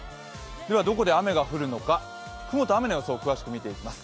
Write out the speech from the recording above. では、どこで雨が降るのか、雲の雨の様子を詳しく見ていきます。